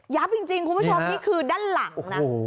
จริงคุณผู้ชมนี่คือด้านหลังนะ